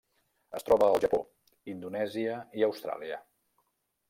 Es troba al Japó, Indonèsia i Austràlia.